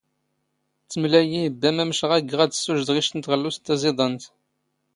ⵜⵎⵍⴰ ⵉⵢⵉ ⵉⴱⴱⴰ ⵎⴰⵎⵛ ⵖⴰ ⴳⴳⵖ ⴰⴷ ⵙⵙⵓⵊⴷⵖ ⵉⵛⵜ ⵏ ⵜⵖⵍⵓⵙⵜ ⴷ ⵜⴰⵥⵉⴹⴰⵏⵜ.